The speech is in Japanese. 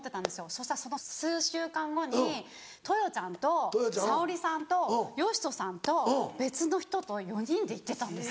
そしたらその数週間後に豊ちゃんと沙保里さんと嘉人さんと別の人と４人で行ってたんです。